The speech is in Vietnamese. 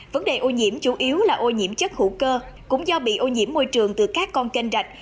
vấn đề ô nhiễm chủ yếu là ô nhiễm chất hữu cơ cũng do bị ô nhiễm môi trường từ các con kênh rạch